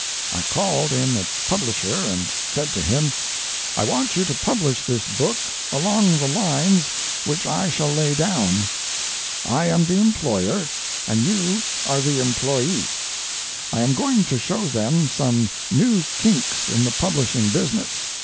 I called in a publisher and said to him: "I want you to publish this book along lines which I shall lay down. I am the employer, and you are the employee. I am going to show them some new kinks in the publishing business.